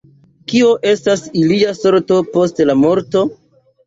Kio estos ilia sorto post la morto?